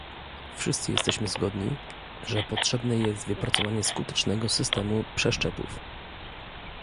Wszyscy jesteśmy zgodni, że potrzebne jest wypracowanie skutecznego systemu przeszczepów